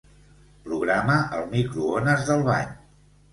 Programa el microones del bany.